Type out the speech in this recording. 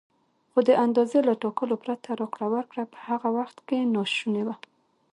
خو د اندازې له ټاکلو پرته راکړه ورکړه په هغه وخت کې ناشونې وه.